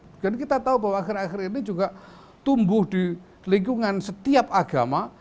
dan kita tahu bahwa akhir akhir ini juga tumbuh di lingkungan setiap agama